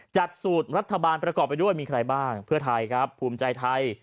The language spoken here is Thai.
จัดสูตรรัฐบาลประกอบไปด้วยมีใครบ้างเพื่อไทยครับภูมิใจไทย